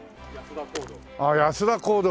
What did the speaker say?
ああ安田講堂。